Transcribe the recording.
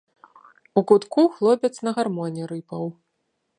У кутку хлопец на гармоні рыпаў.